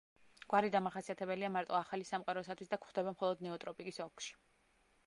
გვარი დამახასიათებელია მარტო ახალი სამყაროსათვის და გვხვდება მხოლოდ ნეოტროპიკის ოლქში.